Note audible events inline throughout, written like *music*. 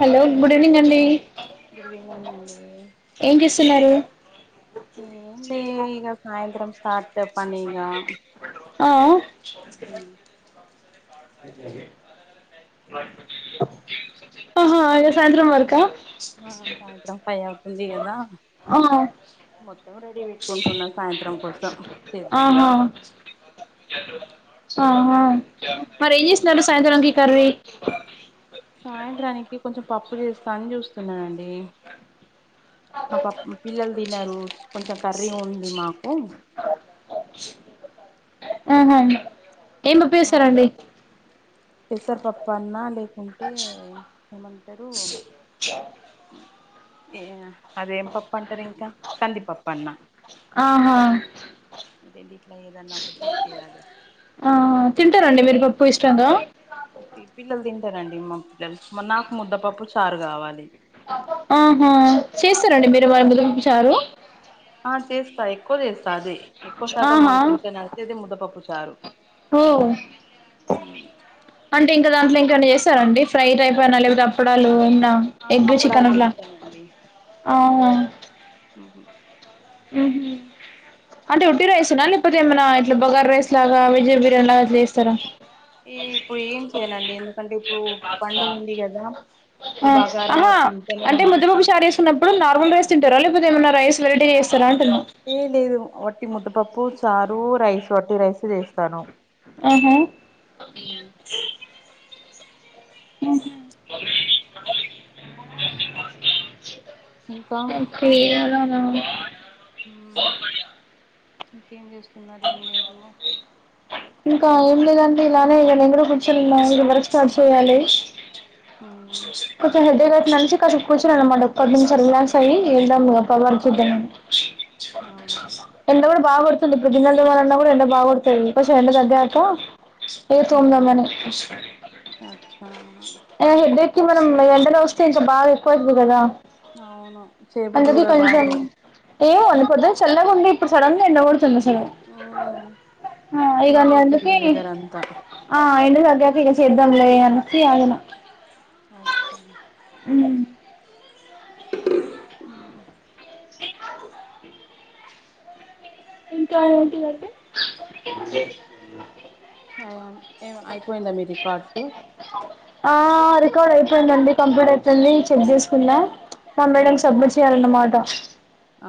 hello good evening అండి good evening అండి ఏం చేస్తున్నారు ఏన్ ఇగ సాయంత్రం స్టార్ట్ పని ఇగ ఆ ఆహా సాయంత్రం వరకా అహ సాయంత్రం ఫైవ్ అవుతుంది కదా ఆ మొత్తం రెడీ పెట్టుకుంటున్నాం సాయంత్రం కోసం చేద్దాం ఆహా అనేసి ఆహా మరి ఏం చేస్తున్నారు సాయంత్రంకి కర్రీ సాయంత్రానికి కొంచెం పప్పు చేస్తాని చూస్తున్నానండి మా పప్పు పిల్లలు తినరు కొంచెం కర్రీ ఉంది మాకు ఆహా ఏం పప్పు చేస్తారండి పెసర్ పప్పన్న లేకుంటే ఏమంటారు ఆ ఏ అదేం పప్ప అంటారు ఇంకా కందిపప్ప అన్న ఆహా ఈ రెండిట్లో ఏదైనా ఒకటి చేయాలి పోయిస్స్ట్రాంగ్గా పిల్లలు తింటారండి మా పిల్లలు నాకు ముద్దపప్పు చారు కావాలి ఆహా చేస్తారండి మీరు వళదింపూచారు ఆ చేస్తా ఎక్కువ చేస్తా అదే ఎక్కువ శాతం ఆహా మం కించ నడిచేదే అదే ముద్దపప్పుచారు ఓ అన్ టె ఇంక దాంట్లో ఇంకమనా చేశారండి ఫ్రైడ్ టైప్ అయిన లేకపోతే అప్పడాలు ఆ ఎగ్ అప్పడాలు చికెన్ అట్ల చేస్తానండి ఆ ఉహు ఉ హు అంటే ఒట్టి రైస్నా లేకపోతే ఏమైనా ఇట్లా బగార రైస్ లాగా వెజి బిర్యానీ లాగా ఇట్లా చేస్తారా ఏ ఇప్పుడు ఏం చెయలండి ఎందుకంటే ఇప్పుడు పండుగ ఉంది కదా ఆ ఇప్పుడు ఆహా బగారంగా తింటనే అంటే ముద్ద పప్పు షారు చేస్తున్నప్పుడు నార్మల్ రైస్ తింటార లేక్ పోతే ఏమైన్నా రైస్ వెరైటీ చేస్తారా అంటున్నా ఏ లేదు వట్టి ముద్దపప్పు చారు రైస్ వట్టి రైస్ చేస్తాను ఆహ ఇంకా ఒకే అలానా ఇంకేం చేస్తున్నారు ఏం లేదు ఇంకా ఏం లేదంటే ఇలానే ఇగ నెన్ కూడ కూర్చుని ఉన్న ఇది వర్క్ స్టార్ట్ చేయాలి కొంచం హెడేక్ అట్ల ఉంటే కాసేపు కూర్చున్న అనమాట కాసేపు రిలాక్స్ అయి చేద్దాం ఇగ వర్క్ చేద్దాం అవునా ఎండ కూడా బాగాపడుతుంది ఇప్పుడు గిన్నెల్ తోమాలన్నా కూడా ఎండ బాగ పడుతుంది కొంచం ఎండ తగ్గినాక ఏ తో ఉండమని అచ్చా ఎ హెడేక్ కి మనం ఎండలో వస్తే ఇంకా బాగా ఎక్కువ అయ్యిద్ది కదా అవును చేయబుద్ధి అందుకీ కూడా కొంచం కాదు ఏమో పోద్దున్న చల్లగుంది ఇప్పుడు సడెన్ గా ఎండ కోడు ఆ ఆ ఇగ నువ్ అందుకె అంతా ఆ ఎండ తగ్గాక చేద్దంలే అనేసి ఆగిన అచ్చా ఊ ఆ ఇంకా ఏంటిదంటే ఏమ అయిపోయిందా మీ రికార్డ్సు ఐపోయిందండి కంప్యూటర్ కెళ్ళి చెక్ చేసుకున్నా మా మేడం మ్మ్ కి సబ్మిట్ చేయాలన్నమాట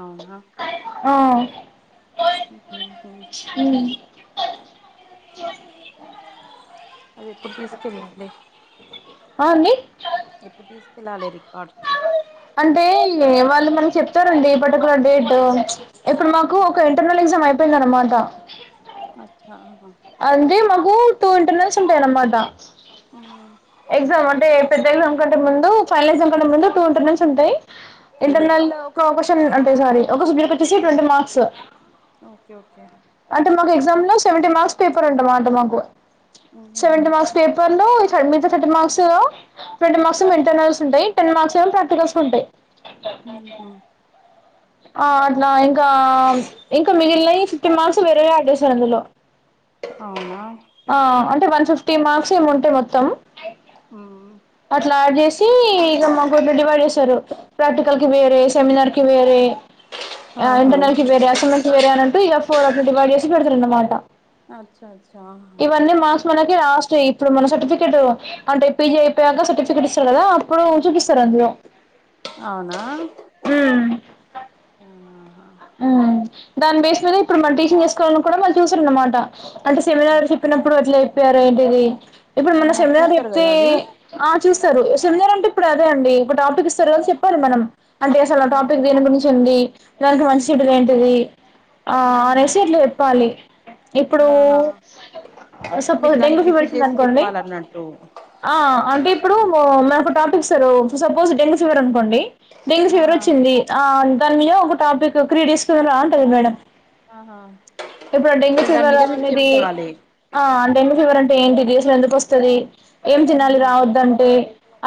అవునా ఆ ఊ అదే ఎప్పుడు తీసుకెళ్లింది ఆ అండి ఫిలాలే రికార్డు అంటే వాళ్ళు మనకి చెప్తారండి పర్టికులర్ డేట్ ఇప్పుడు మాకు ఓకే ఒక ఇంటర్నల్ ఎగ్జామ్ అయిపో అయిపోయిందన్నమాట అచ్చా అహ అంటే మాకు టూ ఇంటర్నల్స్ ఉంటాయన్నమాట ఆ ఎగ్జామ్ అంటే పెద్ద ఎగ్జామ్ కంటే ముందు ఫైనల్ ఎగ్జామ్ కంటే ముందు టూ ఇంటర్నల్స్ ఉంటయ్ ఇంటర్నల్ ఒక క్వషన్ అంటే సారీ ఒక సబ్జెక్ట్ వచ్చేసి ట్వంటీ మార్క్స్ ఓకే ఓకే అంటే మాకు ఎగ్జామ్ లో సెవెంటీ మార్క్స్ కని ఉంట అంట మాకు సెవెంటీ మార్క్స్ పేపర్ లో సబ్మిచస్ థర్టీ మార్క్స్ లో ట్వంటీ మార్క్స్ ఏమో ఇంటర్నల్స్ ఉంటాయ్ టెన్ మార్క్స్ ఏమో ప్రాక్టిల్స్ కి ఉంటాయ్ అహ ఆ అట్లా ఇంకా ఇంకా మిగిలినయి ఫిఫ్టీన్ మార్క్స్ వేరే గా యాడ్ చేస్తారు అందులో అవునా ఆ అంటే వన్ ఫిఫ్టీ మార్క్స్ ఏమో ఉంటాయ్ మొత్తం అట్లా యాడ్ చేసి ఇగ మాకు ఇట్ల డివైడ్ చేస్తరు వేరే సెమినార్ వేరే ఆహా ఇంటర్నల్ కి వేరే అసైన్లకు వేరే అన్నట్టు ఇగ ఫోర్ అట్ డివైడ్ చేసి పెడతారు అన్నమాట అచ్చచ్చ అహ ఇవన్నీ మార్క్స్ మనకి లాస్ట్ ఇప్పుడు మన సర్టిఫికెట్ అంటే పిజి అయిపోయాక సర్టిఫికట్ ఇస్తారు కదా అప్పుడు చూపిస్తారు అందరు అవునా దాని బేస్ మీద ఇప్పుడు మనం టీచింగ్ చేసుకోవాలని కూడా మళ్ళీ చూసారన్నమాట అంటే సెమినార్ చెప్పినప్పుడు ఎట్ల ఎప్పారు ఏంటిది ఇప్పుడు మన ఆహా సెమినార్ చూస్తారు చెప్తే కదా అది ఆ చూస్తారు సెమినార్రంటే ఇప్పుడు అదే అండి ఒక టాపిక్ ఇస్తారు చెప్పాలి మనం అంటే అసలు టాపిక్ అచ్చా దేని గురించి ఉంది దానికి మంచి చెడులు ఏంటిది ఆ ఆహా అనేసి ఇట్ల చెప్పాలి ఇప్పుడు ఆహా సపోజ్ మీరు దానికి డెంగ్యూ ఫీవర్ రిపీట్ చేసి వచ్చిందనుకోండి చెప్పాలన్నట్టు ఆ అంటే ఇప్పుడు మో మనకు ఒక టాపిక్ ఇస్తారు సపోజ్ డెంగ్యూ ఫీవర్ అనుకోండి డెంగ్యూ ఆ ఫీవర్ వచ్చింది ఆ దాని మీద ఒక టాపిక్ క్రీడేస్కులాంటది మేడం ఆహా ఇప్పుడు డెంగ్యూ దాని ఫీవర్ మీద మీరు అనేది చెప్పాలి ఆ డెంగ్యూ ఫీవర్ అన్ ఏంటిది అసలు ఎందుకు వస్తది ఏం తినాలి ఉహు రావదంటె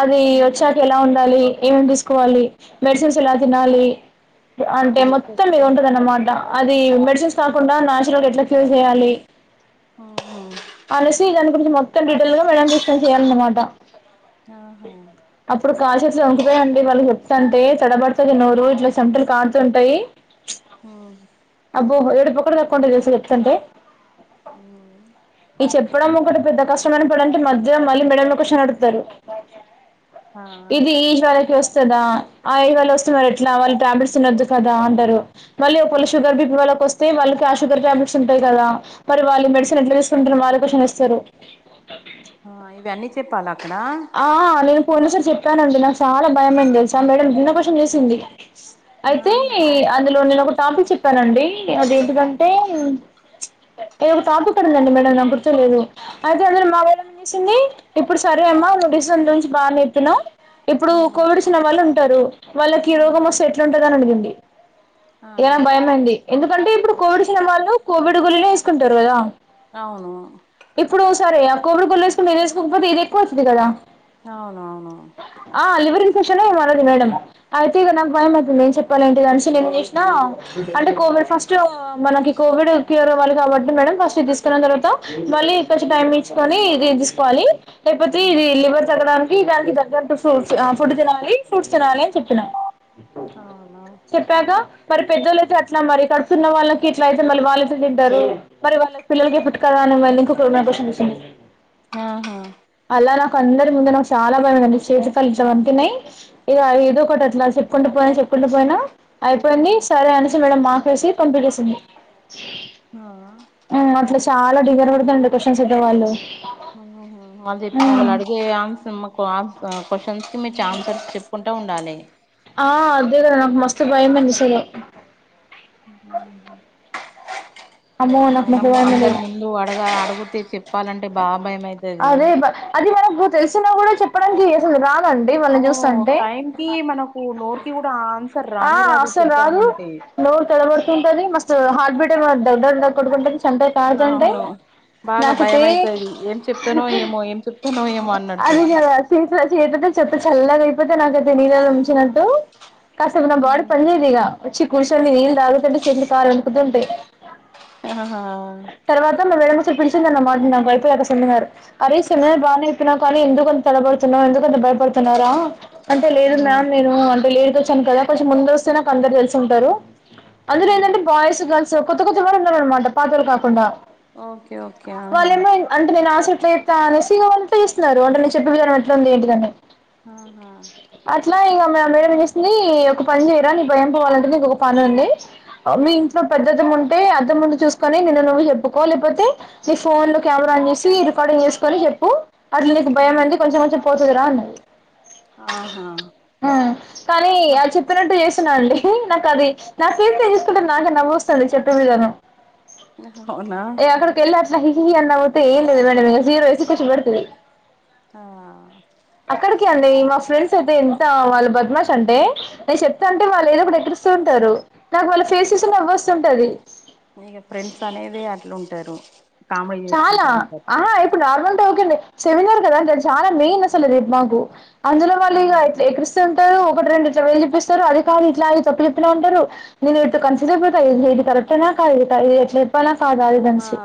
అది ఆహా వచ్చాక ఎలా ఉండాలి ఏమేం తీసుకోవాలి మెడిసిన్స్ ఎలా తినాలి అంటే మొత్తం అచ్చచ్చ మీది ఉంటదన్నమాట అది మెడిసిన్స్ కాకుండా న్యాచురల్ గా ఎట్లా క్యూర్ చేయాలి ఆహా అనేసి దాని గురించి మొత్తం డిటైల్గా మేడం కి ఎక్స్ప్లెయిన్ చేయాలన్నమాట అహ కాల్ చేతులు వంనుకుతాయండి వాళ్ళకి చెప్తాంటే తడబడుతది నోరు ఇట్లా చెంటలు కారుతుంటాయి ఉ అబ్బో ఏడ్పు ఒక్కటి తక్కువుంటుంటది తెల్సా చెప్తాంటే ఈ చెప్పడం ఒకటి పెద్ద కష్ చెప్పాళ్ళనుకోవాడికి మధ్య మళ్ళీ మిడ లో క్వషన్ అడుగుతారు ఆ ఇది ఈ జ్వరకి వస్ స్తద ఆ ఏజ్ వాళ్ళు వస్తున్నారు ఎట్లా వాళ్ళు టాబ్లెట్స్ తిన్నొద్దు కదా మళ్ళీ ఒకవేళ షుగర్ బి పి వాళ్ళకొస్తే వాళ్ళకి ఆ షుగర్ టాబ్లెట్స్ ఉంటాయి కదా మరి వాళ్ళ మెడిసిన్ ఎట్ల తీసుకుంటరు వాళ్ళే క్వషన్ ఎస్తరు ఆ ఇవి అన్ని చెప్పాలా అక్కడ ఆ నేను పోలీసులు చెప్పానండి నాకు చాలా భయమైంది తెలుసా మేడం నిన్నకోసం క్వషన్ చేసింది అయితే ఆహా అందులో నేను ఒక టాపిక్ చెప్పానండి అదేంటిదంటె ఏదో ఒక తాపిక్ అడిగిందండి మేడం నాక్ గుర్తులేదు అయితే అందుని మా వాళ్ళని పిల్చింది ఇప్పుడు సరే అమ్మా నువు డిసెంసన్ నుంచి బానే చెప్పినవ్ ఇప్పుడు ఉ కోవిడ్ వచ్చిన వాళ్ళు ఉంటారు వాళ్ళకి ఈ ఉ రోగం వస్తే ఎట్లుంటంది అని అడిగింది ఆ ఇరా భయమైంది ఎందుకంటే ఇప్పుడు కోవిడ్ చ్చిన వాళ్ళు కోవిడ్ గోలినే వేసుకుంటారు కదా అవును ఇప్పుడు సరే ఇగ కొలి గోలి వేస్కుని ఇది యెస్కొక పోతే ఇది ఎక్కువవుతది కదా అవునవును కుషను మారింది మేడం అయితే ఇగ నాకు భయం అవుతుంది ఏం చెప్పాలి ఏంటిది అనేసి ఏం చేసినా అంటే కో విడ్ ఫస్ట్లో మనకి కోవిడ్ క్యూర్ అవ్వాలి కాబట్టి మేడం ఫస్ట్ ఇది తీసుకున్న తర్వాత మళ్ళీ కొంచెం టైం ఇచ్చుకొని ఇది తీసుకోవాలి లేకపోతే ఇది లివర్ తగ్గడానికి దానికి తగ్గట్టు ఫు ఆ ఫుడ్ తినాలి ఫ్రూట్స్ తినాలి అని చెప్పిన అవునా చెప్పాక మరి పెద్దొలయితే అట్లా మరి కడుతున్న వాళ్ళకి ఇట్ల అయితే మళ్ళీ వాళ్ళు ఎట్ల తింటారు మరి వాళ్ళ పిల్లలకి ఎఫెక్ట్ కదా అని మళ్ళీ ఇంకొక క్వషన్ వేసింది ఆహా అందరి ముందు నాకు చాలా బాందండి చేతిఫలిలు ఇట్లా అంతన్నాయి ఇది ఏదో ఒకటి అట్లా చెప్పుకుంటూ పోయి చె కుం పోయినా అయిపోయింది సరే అనే మేడం మాపేసి కం ఉ ఆ అట్లా చాలా డిగ్గర పడుతుడి క్వశ్చన్స్ ఇద్ద వాళ్ళు వాళ్ళు చెప్పిన వాళ్ళు మ్మ్ అడిగే ఆన్సర్ మాకు క్వశ్చన్ మీరు చఛామ్సర్ చెప్పుకుంటా ఉండాలి ఆ అదే కదా నాకు మస్తు భయంమనిసలే ఉహ్ అమ్మో నాకు ఆయిన మస్తు భయమేంది అందరు ఇగ ముందు అడగా అడుగుతే చెప్పాలంటే బా అదే అది మనకు తెలిసిన కూడా చెప్పడానికి అసలు రా అవు టైం కి మనకు నోరు కి కూడా ఆన్స ఆ అసలు రాదు నోర్ తెడబర్తుంతది మస్ హార్ట్ బటే మ దొ ద ద్ కొడుకుంటంది సంటయి తాజంటయి అవును బాగా భయం నాటుతే అయితది ఏం చెప్తానో ఏమో ఏం చెప్తానో ఏమో అన్నట్టు అదిలా సట్ల చేతతే చెప్తే చల్లగా అయిపోతే నాకైతే నీళ్ళలో ఉంచినట్టు కాస్తపు నా బాడీ పనిచేదు ఇక వచ్చి కూర్చొని నీళ్ళు తాగుతుంటే చేతులు కాలు వంకుతుంటాయి ఆహా తర్వాత *unintelligible* అరే సెమినార్ బనే చెప్పినవే కానీ ఎందుకు తడబడుతున్నావ్ ఎందుకు భయపడుతున్నారా అంటే లేదు మ్యామ్ నేను అంటే లేదు చ్చాను కదా కొంచెం ముందు వస్తే నాకు అందరు తెలిసి ఉంటారు అందులో ఏంటంటే బాయ్స్ గర్ల్స్ సో కొత్త కొత్తవరు ఉన్నారు అనమాట పాత్రలు కాకుండా ఓకే ఓకే ఆహా ఎట్లయితే అనేసిగా వంటే ఇస్తున్నారు వంట నే చెప్పి విజాం ఎట్లా ఉంది ఏంటిదని ఆహా ఇలా ఇక మ మేడ చేసింది ఒక పని చేయరా నీ భయం పోవాలంటే నీకు ఒక పని ఉంది మీ ఇంట్లో పెద అద్దం ఉంటే అద్దం ముందు చూసుకొని నిన్ను నువ్వు చెప్పుకో లేకపోతే నీ ఫోన్ లో కమెరా ఆన్ చేసి రికార్డింగ్ చేసుకోని చెప్పు అట్లు నీకు భయం అనేది కొంచెం కొంచెం పోతదిరా ఉన్నాయి ఆహా కానీ ఆ చెప్పినట్టు చేసిన అండి నాకు అది నా సత తీసుకుంటే నాకే నవ్స్తుంది చెప్పే విధానం అవునా అక్కడికి వెళ్ళి హిహి అని నవుతే ఏం లేది మేడం ఇక జీరో వేసి ఖచి బడుతది ఆ అక్కడికి అండి మా ఫ్రెండ్స్ అయితే ఎంత వాళ్ళు బద్మాశ అంటే నేను చెప్తా వాళ్ళు ఏదో ఒక ఎక్రిస్తూ ఉంటారు నాకు వాళ్ళ ఫేస్ చూస్తే నవ్ వస్తుంటది ఇగ ఫ్రెండ్స్ అనేది అట్లుంటారు కామెడీ చాలా చేసుకుంటా ఉంటారు ఆహా ఇప్పుడు నార్మంట ఓకే అండి సెమినార్ కదా అంటే అది చాలా మెయిన్ అసలు రేపు మాకు అందులో వాళ్ళు ఇ ఆహా ఎక్క్రిస్తు ఉంటారు ఇటి రెండు చవలు చెప్పిస్తారు అది కానీ ఇట్లా అ తప్పు చెప్పినా ఉంటారు నేను ఎతే కన్సి అపోతాదిరెక్టనా కాదు కాట్ ఎప్పలా కాద ఆ అదనించి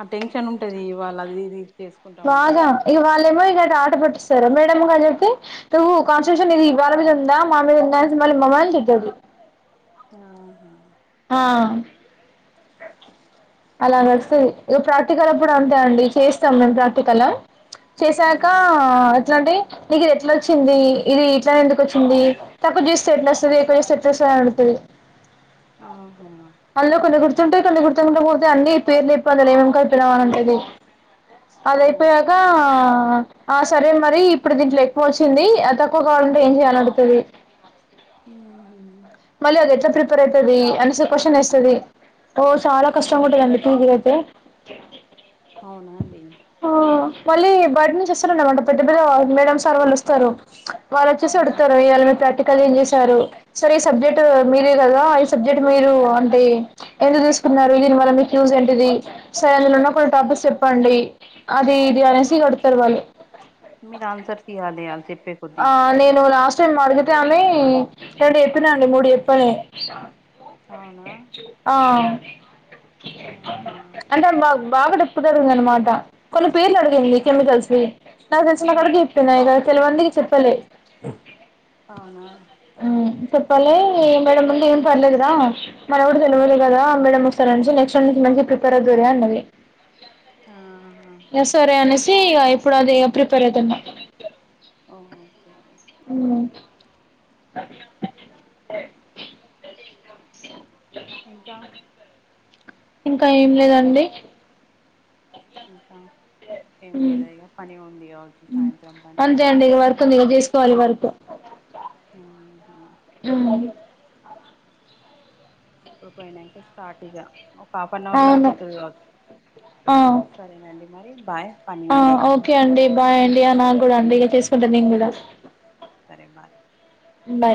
ఆ టెన్షన్ ఉంటది ఇవాళ అది ఇది చేసుకుంటా వాగ ఉంటే ఇక వాళ్ళేమో ఆట పట్టిస్తారు మేడమ్ కాని చెతే ను్ కాన్స్టిట్యూషన్ ఇది వాళ్ళ మీద ఉందా మా మీద ఉ మళ్ళీ మమ్మ తీడ్తది ఆహా ఆహ్ అలా నడుస్తది ఇగ ప్రాక్టికల్ అప్పుడు అంతా అండి చేస్తాం మేము ప్రాక్టికల చేశాకా ఉమ్ ఎట్లా అంటే నీకు ఇది ఎట్లా వచ్చింది ఇది ఇట్లనె ఎందుకు వచ్చింది తక్కువ చేస్తే ఎట్ల వస్తది ఎక్కువ చేస్తే ఎట్ల వస్త అని అడుగుతది ఆహ అందులో కొన్ని గుర్తుంటాయి కొన్ని గుర్తు ఉండక పోతాయి అన్ని పేర్లు చెప్పు అంటది అన్ని ఏం ఏం కలిపినవ అంటది ఆ అదైపోయకా ఆహ్ సరే మరి ఇప్పుడు దీంట్లో ఎక్కువ వచ్చింది తక్కువ కావాలంటే ఏం చెయాల అని అడుగుతది ఉహు మళ్ళీ అది ఎట్లా ప్రిపేర్ అయితది అనేసి క్వశ్చన్ వేస్తది ఓ చాలా కష్టంగా అవును ఉంటదండి పీజీ లో ఐతే అవునా అండి మళ్ళీ బయట నుంచి అస్సలు ఉండ దండి బయట నుండి వస్తరండి పెద్ద పెద మేడం సార్ వాళ్ళు వస్తారు వాళ్ళు వచ్చేసి ఆ అడుతారు ఇవాళ మీద ప్రాక్టికల్ ఏం చేశారు సర్ ఈ సబ్జెక్ట్ మీరే కదా సబ్జెక్ట్ మీరు అంటే ఎందుకు తీసుకున్నారు దీని వల్ల మీకు యూస్ ఏంటిది సో అందులో ఉన్న కొన్ని టాపిక్ చెప్పండి అది ఇది అనేసి అడుగుతారు వాళ్ళు మీరు ఆన్సర్ ఈయాలి వాలు చెప్పే కొద్దీ కొంచంమడిగితే అని రెండు ఎప్పిన అండి మూడు ఎప్పల్లె అవునా ఆ ఆహా అంటే మాకు బాగా దేఒత్గాడిగింది అనమాట కొన్ని పేర్లు అడిగింది కెమికల్స వి నాకు తెలిసిన ఆ అన్ని కాడికి చెప్పిన తేల్వంది చెప్పలే అవునా ఉమ్ చెప్పలే ఏ మేడం ఉండి పర్లేదు గా మన కూడా తెలువదు కదా మేడం వస్తరనిచి నెక్స్ట్ ఇయర్ నుంచి మంచిగా ప్రిపేర్ అవుదువులే అన్నది ఆహా ఇగ సరే అనేసి ఇగ ఇప్పుడు అది ప్రిపేర్ అవుతున్నా ఓహో ఒకే ఒకే ఉమ్ ఇంకా ఇంకా ఏం లేదండి ఇంకా ఏంలేదా ఇగ పని ఉంది కావచ్చు సాయంత్రం పని స్టార్ట్ చేస్ ట్వెల్వ్ వరకే ఆహా ఇప్పుడు పోయినాంక స్టార్ట్ ఇగ ఒక హాఫ్ అన్ అవర్లో అవును అయిపోతది కావచ్చు ఆ సరేనండి మరి బాయ్ పని ఆ ఉంది ఇగ ఓకే అండి బాయ్ అండి నాకు కూడా అండి ఇక చేసుకుంట నేను కూడా సరే బాయ్ బై